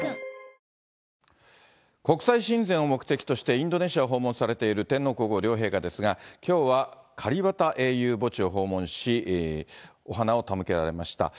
インドネシアを訪問されている天皇皇后両陛下ですが、きょうはカリバタ英雄墓地を訪問し、お花を手向けられました。